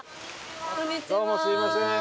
どうもすみません。